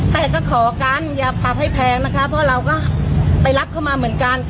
แต่ก็ขอกันอย่าปรับให้แพงนะคะเพราะเราก็ไปรับเข้ามาเหมือนกัน